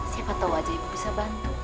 siapa tahu aja ibu bisa bantu